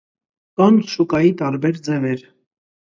Կան շուկայի տարբեր ձևեր։